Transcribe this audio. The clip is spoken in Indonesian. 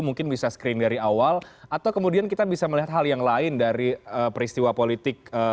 mungkin bisa screen dari awal atau kemudian kita bisa melihat hal yang lain dari peristiwa politik